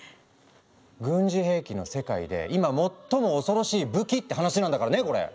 軍事兵器の世界で今最も恐ろしい武器って話なんだからねこれ。